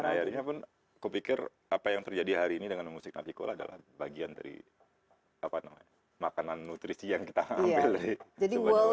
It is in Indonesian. dan akhirnya pun aku pikir apa yang terjadi hari ini dengan musik davikula adalah bagian dari makanan nutrisi yang kita ambil